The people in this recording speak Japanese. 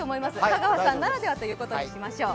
香川さんならではということにしましょう。